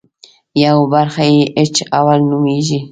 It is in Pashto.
یوه برخه یې اېچ اول نومېږي.